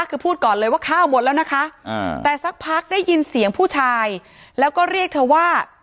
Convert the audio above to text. คือพูดก่อนเลยว่าข้าวหมดแล้วนะคะแต่สักพักได้ยินเสียงผู้ชายแล้วก็เรียกเธอว่า